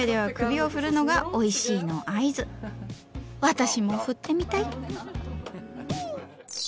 私も振ってみたい！